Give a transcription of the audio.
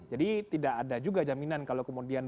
jadi tidak ada juga jaminan kalau kemudian